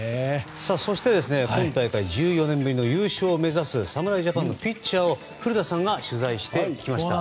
そして、今大会１４年ぶりの優勝を目指す侍ジャパンのピッチャーを古田さんが取材しました。